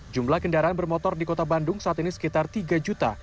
jumlah kendaraan bermotor di kota bandung saat ini sekitar tiga juta